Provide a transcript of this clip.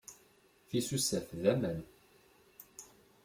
Tisusaf d aman.